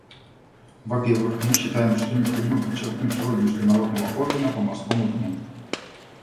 Во-первых, мы считаем, что необходимо подчеркнуть роль Международного органа по морскому дну.